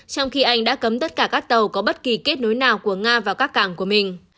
trong khi anh đã cấm tất cả các tàu có bất kỳ kết nối nào của nga vào các cảng của mình